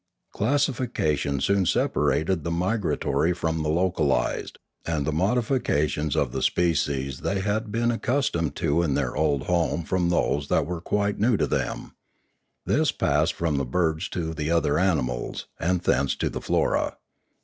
Classification soon separated the migra tory from the localised, and the modifications of the species that they had been accustomed to in their old home from those that were quite new to them. This passed from the birds to the other animals, and thence to the flora.